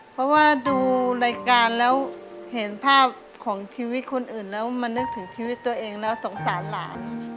เพราะว่าดูรายการแล้วเห็นภาพของชีวิตคนอื่นแล้วมันนึกถึงชีวิตตัวเองแล้วสงสารหลาน